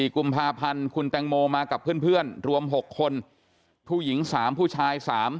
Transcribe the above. ๔กุมภาพันธ์คุณแตงโมมากับเพื่อนรวม๖คนผู้หญิง๓ผู้ชาย๓